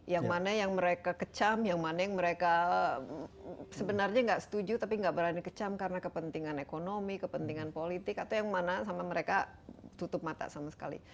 yang mana yang mereka kecam yang mana yang mereka sebenarnya nggak setuju tapi nggak berani kecam karena kepentingan ekonomi kepentingan politik atau yang mana sama mereka tutup mata sama sekali